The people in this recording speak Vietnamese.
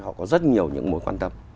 họ có rất nhiều những mối quan tâm